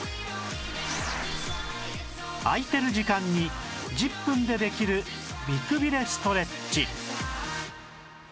空いてる時間に１０分でできる美くびれストレッチ